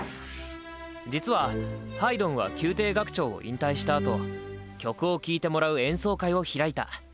実はハイドンは宮廷楽長を引退したあと曲を聴いてもらう演奏会を開いた。